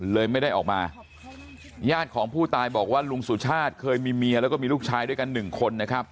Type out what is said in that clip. เลยไม่ได้ออกมาญาติของผู้ตายบอกว่าลุงสุชาติเคยมีเมียแล้วก็มีลูกชายด้วยกันหนึ่งคนนะครับ